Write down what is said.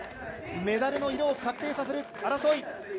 メダルの色を確定させる争い。